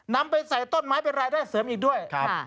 นำไปใส่ต้นไม้เป็นรายได้เสริมอีกด้วยครับ